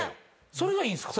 それがいいんすか？